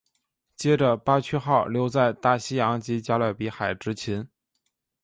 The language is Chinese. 接着巴区号留在大西洋及加勒比海执勤。